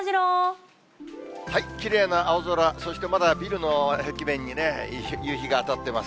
きれいな青空、そして、まだビルの壁面にね、夕日が当たってます。